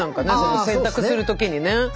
洗濯する時にね。